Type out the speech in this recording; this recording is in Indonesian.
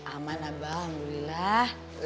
aman abang alhamdulillah